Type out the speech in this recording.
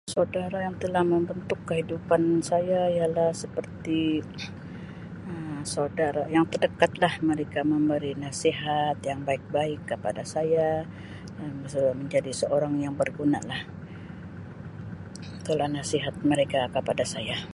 Saudara yang telah membentuk kehidupan ialah seperti Um saudara yang terdekat lah, mereka memberi nasihat yang baik-baik kepada saya [unintelligible] menjadi seorang yang berguna lah.